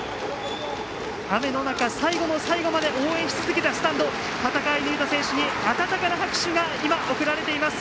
雨の中、最後の最後まで応援し続けたスタンド戦い続けた選手に温かな拍手が送られています。